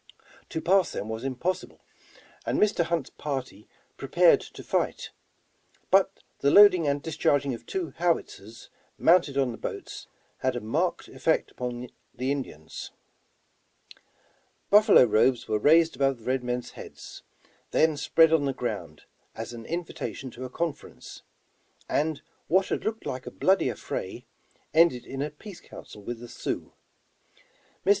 To pass them was impossible, and Mr. Hunt's party prepared to fight, but the loading and discharging of two howitzers 176 Over the Rockies mounted on tlie boats, had a marked effect among the Indians. Buffalo robes were raised above the red men's heads, then spread on the ground as an invitation to a con ference, and what had looked like a bloody affray end ed in a peace council with the Sioux. Mr.